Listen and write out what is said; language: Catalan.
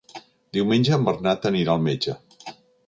Diumenge en Bernat anirà al metge.